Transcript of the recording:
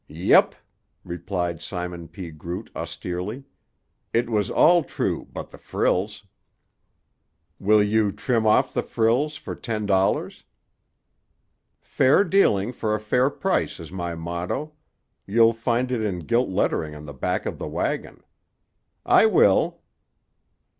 "Yep," replied Simon P. Groot austerely. "It was all true but the frills." "Will you trim off the frills for ten dollars?" "Fair dealing for a fair price is my motto; you'll find it in gilt lettering on the back of the wagon. I will."